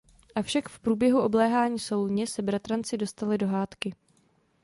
Avšak v průběhu obléhání Soluně se bratranci dostali do hádky.